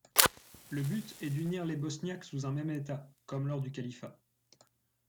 Le but est d'unir les bosniaques sous un même État comme lors du califat.